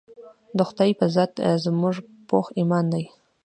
د خدائے پۀ ذات زمونږ پوخ ايمان دے